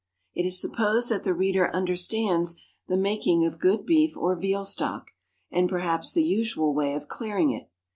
It is supposed that the reader understands the making of good beef or veal stock, and perhaps the usual way of clearing it.